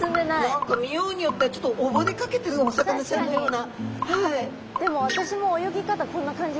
何か見ようによってはちょっと溺れかけてるお魚ちゃんのような。